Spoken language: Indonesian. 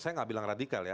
saya gak bilang radikal ya